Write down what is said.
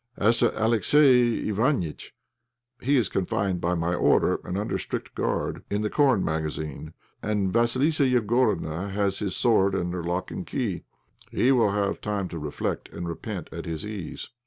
As to Alexey Iványtch, he is confined by my order, and under strict guard, in the corn magazine, and Vassilissa Igorofna has his sword under lock and key. He will have time to reflect and repent at his ease."